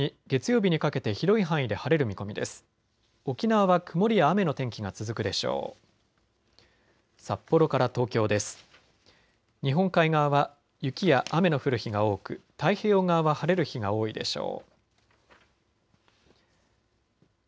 日本海側は雪や雨の降る日が多く太平洋側は晴れる日が多いでしょう。